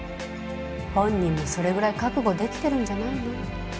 本人もそれくらい覚悟できてるんじゃないの？